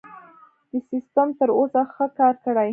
دې سیستم تر اوسه ښه کار کړی.